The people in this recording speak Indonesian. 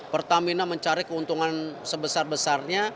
pertamina mencari keuntungan sebesar besarnya